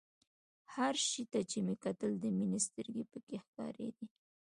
هر شي ته چې مې کتل د مينې سترګې پکښې ښکارېدې.